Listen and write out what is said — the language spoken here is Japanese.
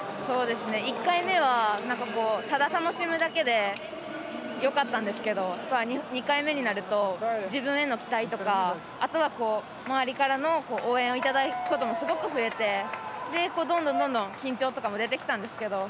１回目はただ楽しむだけでよかったんですけど２回目になると自分への期待とか、あとは周りからの応援をいただくこともすごく増えて、どんどん緊張とかも出てきたんですけど。